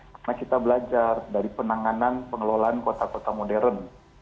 karena kita belajar dari penanganan pengelolaan kota kota modern